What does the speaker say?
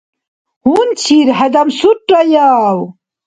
Гьунчир хӀедамсурраяв?